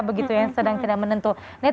begitu yang sedang tidak menentu